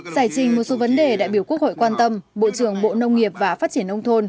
giải trình một số vấn đề đại biểu quốc hội quan tâm bộ trưởng bộ nông nghiệp và phát triển nông thôn